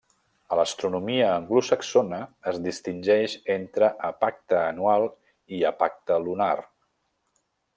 A l'astronomia anglosaxona es distingeix entre epacta anual i epacta lunar.